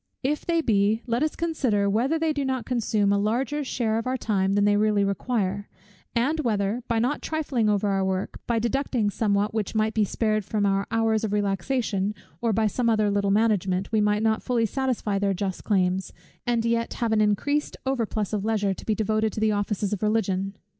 If they be, let us consider whether they do not consume a larger share of our time than they really require; and whether, by not trifling over our work, by deducting somewhat which might be spared from our hours of relaxation, or by some other little management, we might not fully satisfy their just claims, and yet have an increased overplus of leisure, to be devoted to the offices of Religion.